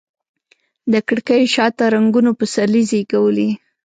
د کړکېو شاته رنګونو پسرلي زیږولي